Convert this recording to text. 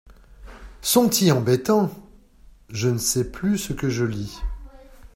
Sont-y embêtants ! je ne sais plus ce que je lis…